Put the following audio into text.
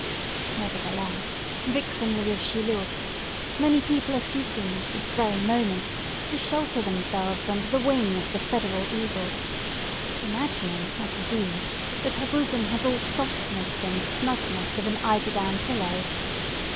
Nevertheless, vixenly as she looks, many people are seeking at this very moment to shelter themselves under the wing of the federal eagle; imagining, I presume, that her bosom has all the softness and snugness of an eiderdown pillow.